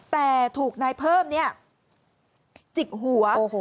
แต่ถูกนายเพิ่มจิกหัว